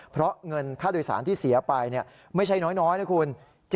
เพราะเงินค่าโดยสารที่เสียไปไม่ใช่น้อยนะคุณ